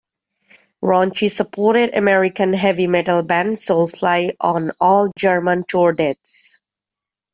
Raunchy supported American heavy metal band Soulfly on all German tour dates.